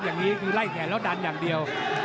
อย่างนี้คือไล่แขนแล้วดันอย่างเดียว